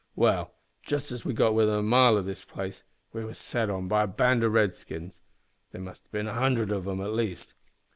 Well, just as we got within a mile o' this place we was set upon by a band o' Redskins. There must have bin a hundred of 'em at least.